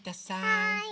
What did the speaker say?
はい。